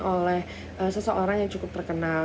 oleh seseorang yang cukup terkenal